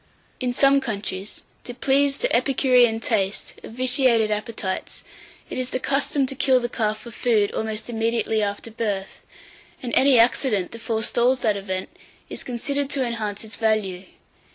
849. IN SOME COUNTRIES, to please the epicurean taste of vitiated appetites, it is the custom to kill the calf for food almost immediately after birth, and any accident that forestalls that event, is considered to enhance its value.